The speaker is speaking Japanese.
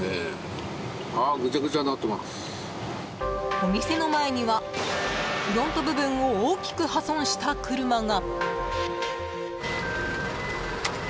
お店の前にはフロント部分を大きく破損した車が。